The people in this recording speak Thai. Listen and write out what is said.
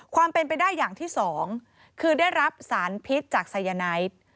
ความเป็นไปได้อย่างที่สองคือได้รับสารพิษจากไซยาไนท์